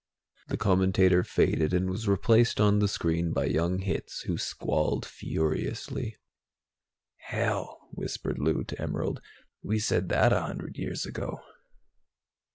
The commentator faded, and was replaced on the screen by young Hitz, who squalled furiously. "Hell!" whispered Lou to Emerald. "We said that a hundred years ago."